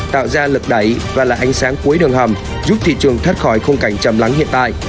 tạo ra lực đẩy và là ánh sáng cuối đường hầm giúp thị trường thoát khỏi khung cảnh chầm lắng hiện tại